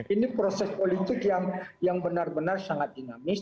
ini proses politik yang benar benar sangat dinamis